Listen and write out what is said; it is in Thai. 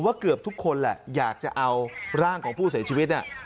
เกือบทุกคนแหละอยากจะเอาร่างของผู้เสียชีวิตเนี่ย